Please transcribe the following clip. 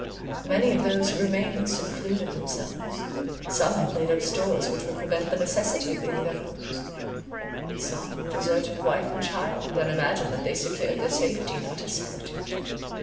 Many of those who remained, secluded themselves; some had laid up stores which should prevent the necessity of leaving their homes;—some deserted wife and child, and imagined that they secured their safety in utter solitude.